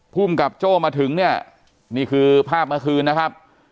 ภูมิกับโจ้มาถึงเนี่ยนี่คือภาพเมื่อคืนนะครับ